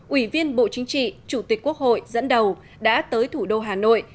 ủy viên bộ chính trị chủ tịch quốc hội dẫn đầu đã tới thủ đô hà nội